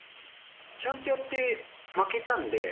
ちゃんとやって負けたんで。